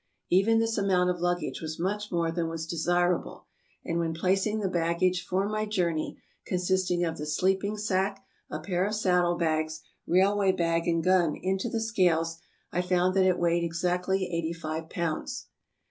Even this amount of luggage was much more than was desirable, and when placing the baggage for my journey — consisting of the sleep ing sack, a pair of saddle bags, railway bag and gun — into the scales, I found that it weighed exactly eighty five pounds.